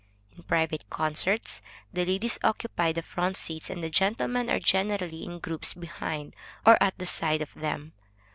In private concerts, the ladies occupy the front seats, and the gentlemen are generally in groups behind, or at the side of them.